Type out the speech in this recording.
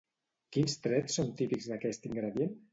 Quins trets són típics d'aquest ingredient?